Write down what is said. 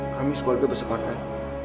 kami sekolah juga bersepakat